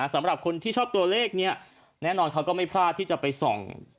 สำหรับคนที่ชอบตัวเลขเนี่ยแน่นอนเขาก็ไม่พลาดที่จะไปส่อง